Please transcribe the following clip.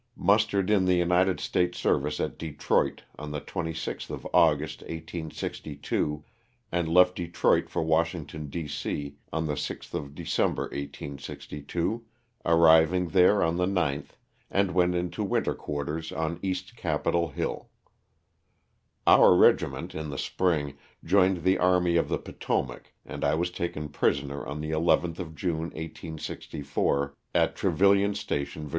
Mustered in the United States service at Detroit on the 26th of August, 1862, and left Detroit for Washington, D. C, on the 6th of December, 1862, arriving there on the 9th, and went into winter quarters on East Capitol Hill. Our regiment, in the spring, joined the army of the Potomac and I was taken prisoner on the 11th of June, 1864, at Trevillian Station, Va.